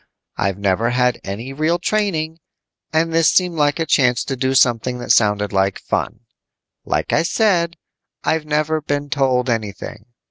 I've never had any real training, and this seemed like a chance to do something that sounded like fun. "Like I said, I've never been told anything.